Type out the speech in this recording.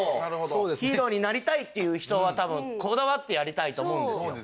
ヒーローになりたいっていう人は多分こだわってやりたいと思うんですよ。